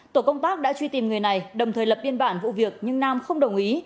tổ công tác đã truy tìm người này đồng thời lập biên bản vụ việc nhưng nam không đồng ý